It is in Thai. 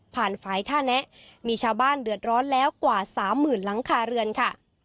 ฝ่ายท่าแนะมีชาวบ้านเดือดร้อนแล้วกว่าสามหมื่นหลังคาเรือนค่ะ